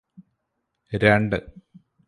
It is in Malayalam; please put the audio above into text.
രണ്ട്